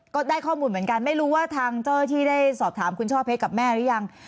ก็ได้ข้อมูลเหมือนกันไม่รู้ว่าทางเจ้าหน้าที่ได้สอบถามคุณช่อเพชรกับแม่หรือยัง